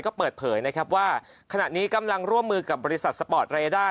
ก็เปิดเผยนะครับว่าขณะนี้กำลังร่วมมือกับบริษัทสปอร์ตเรด้า